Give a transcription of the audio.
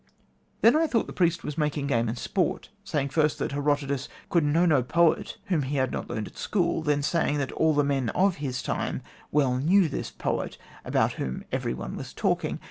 Then I thought the priest was making game and sport, saying first that Herodotus could know no poet whom he had not learned at school, and then saying that all the men of his time well knew this poet, 'about whom everyone was talking'.